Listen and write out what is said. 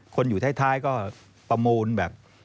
คนอยู่ท้ายก็ประมูลแบบ